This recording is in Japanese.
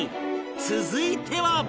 続いては